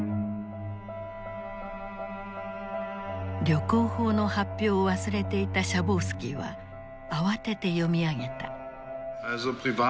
旅行法の発表を忘れていたシャボウスキーは慌てて読み上げた。